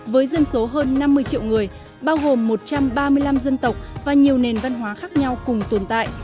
với dân số hơn năm mươi triệu người bao gồm một trăm ba mươi năm dân tộc và nhiều nền văn hóa khác nhau cùng tồn tại